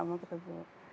iya mau mau kesibuk